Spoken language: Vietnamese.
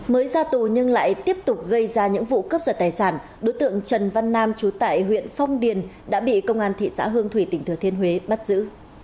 mới ra tù nhưng lại tiếp tục gây ra những vụ cướp giật tài sản đối tượng trần văn nam trú tại huyện phong điền đã bị công an thị xã hương thủy tỉnh thừa thiên huế bắt giữ